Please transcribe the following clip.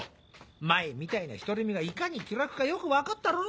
前みたいな独り身がいかに気楽かよく分かったろ？